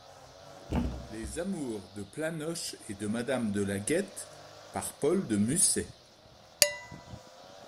Les Amours de Planoche et de Madame de Laguette, par Paul de Musset.